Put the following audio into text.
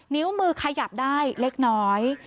นิ้วมือขยับได้เล็กน้อย